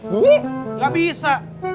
nih gak bisa